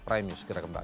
prime news segera kembali